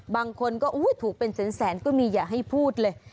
บางคนก็ถูกเป็นแสนก็มีอย่าให้พูดเลย